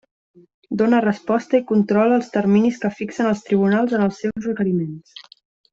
Dóna resposta i controla els terminis que fixen els tribunals en els seus requeriments.